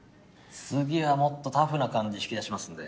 次はもっとタフな感じ引き出しますんで。